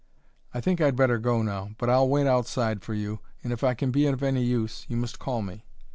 I think I'd better go now, but I'll wait outside for you, and if I can be of any use you must call me."